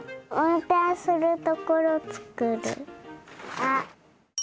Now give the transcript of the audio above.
あっ。